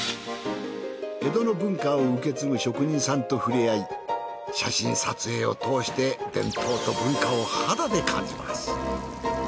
江戸の文化を受け継ぐ職人さんと触れ合い写真撮影を通して伝統と文化を肌で感じます。